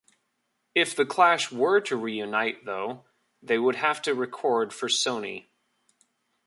If the Clash were to reunite though, they would have to record for Sony.